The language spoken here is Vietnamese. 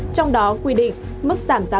trong đó quy định mức giảm giá cơ